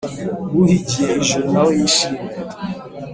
uhigiye ijuru nawe yishime